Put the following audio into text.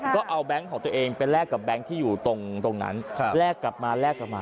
ก็เอาแบงค์ของตัวเองไปแลกกับแบงค์ที่อยู่ตรงนั้นแลกกลับมาแลกกลับมา